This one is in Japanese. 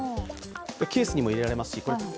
ケースにも入れられますし。